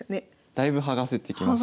だいぶ剥がせてきました。